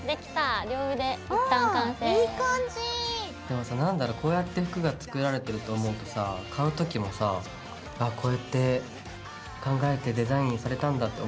でもさ何だろうこうやって服が作られてると思うとさ買う時もさあっこうやって考えてデザインされたんだって思うよね。